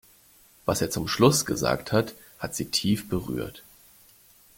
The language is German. Was er zum Schluss gesagt hat, hat sie tief berührt.